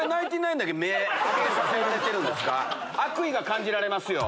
悪意が感じられますよ。